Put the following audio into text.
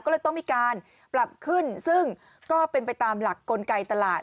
ก็เลยต้องมีการปรับขึ้นซึ่งก็เป็นไปตามหลักกลไกตลาด